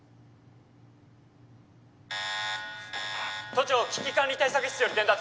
都庁危機管理対策室より伝達